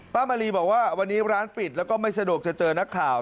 มารีบอกว่าวันนี้ร้านปิดแล้วก็ไม่สะดวกจะเจอนักข่าว